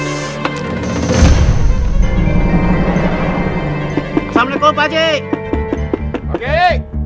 assalamualaikum pak j